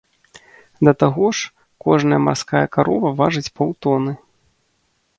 Да таго ж, кожная марская карова важыць паўтоны.